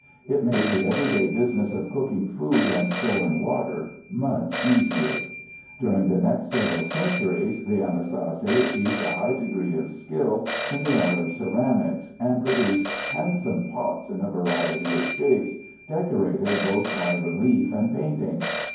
It made the everyday business of cooking food and storing water much easier. During the next several centuries the Anasazi achieved a high degree of skill in the art of ceramics and produced handsome pots in a variety of shapes, decorated both by relief and painting.